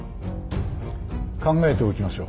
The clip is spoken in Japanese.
考えておきましょう。